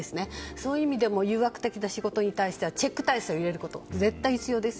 そういう意味でも誘惑っていうことで仕事ではチェック体制を入れることが絶対に必要です。